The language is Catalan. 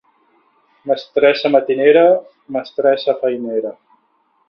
Mestressa matinera, mestressa feinera.